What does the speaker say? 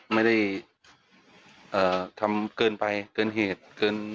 ไม่ได้ทำเกินไปเกินเหตุเกิน